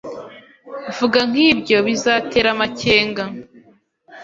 Vuga nkibyo bizatera amakenga.